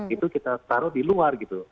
itu kita taruh di luar gitu